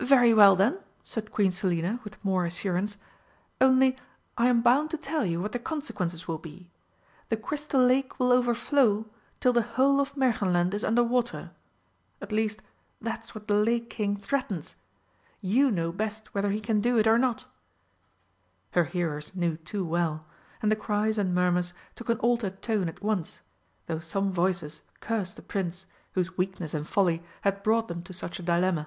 "Very well then," said Queen Selina with more assurance, "only I am bound to tell you what the consequences will be. The Crystal Lake will overflow till the whole of Märchenland is under water. At least that's what the Lake King threatens. You know best whether he can do it or not." Her hearers knew too well, and the cries and murmurs took an altered tone at once, though some voices cursed the Prince whose weakness and folly had brought them to such a dilemma.